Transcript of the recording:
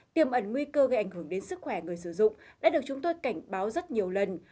tiềm ẩn nguy cơ gây ảnh hưởng đến sức khỏe người sử dụng đã được chúng tôi cảnh báo rất nhiều lần